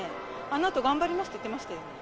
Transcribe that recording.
あのあと、頑張りますって言ってましたよ。